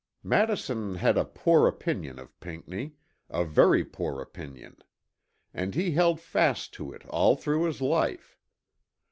Madison had a poor opinion of Pinckney, a very poor opinion; and he held fast to it all through his life.